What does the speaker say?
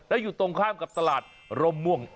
และอยู่ตรงข้ามกับตลาดรมม่วง